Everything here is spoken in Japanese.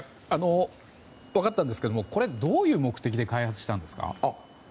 分かりましたがこれどういう目的で開発したんですか？